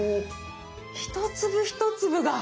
一粒一粒が！